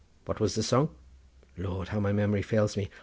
What was the song? Lord, how my memory fails me.